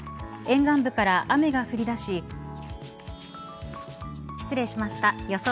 沿岸部から雨が降り出し失礼しました予想